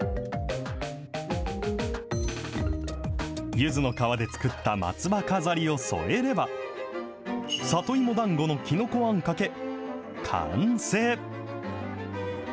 ゆずの皮で作った松葉飾りを添えれば、里芋だんごのきのこあんかけ、完成。